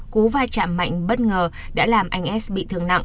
cú va chạm mạnh bất ngờ đã làm anh s bị thương nặng